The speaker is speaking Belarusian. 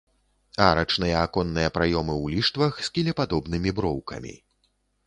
Арачныя аконныя праёмы ў ліштвах з кілепадобнымі броўкамі.